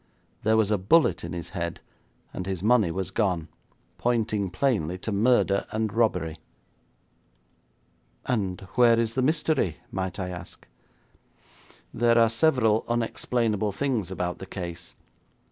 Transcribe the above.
There was a bullet in his head, and his money was gone, pointing plainly to murder and robbery.' 'And where is the mystery, might I ask?' 'There are several unexplainable things about the case.